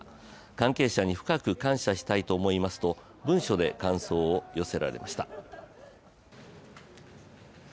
関係者に深く感謝したいと思いますと文書で感想を寄せられました。